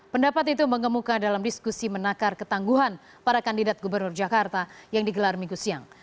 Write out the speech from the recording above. pendapat itu mengemuka dalam diskusi menakar ketangguhan para kandidat gubernur jakarta yang digelar minggu siang